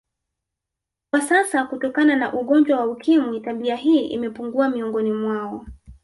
Kwa sasa kutokana na ugonjwa wa ukimwi tabia hii imepungua miongoni mwao